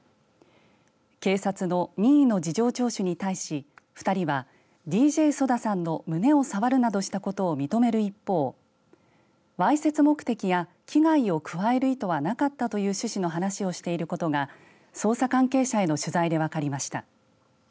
警察の任意の事情聴取に対し２人はＤＪＳＯＤＡさんの胸を触るなどしたことを認める一方わいせつ目的や危害を加える意図はなかったという趣旨の話をしていることが捜査関係者への取材で分かりました。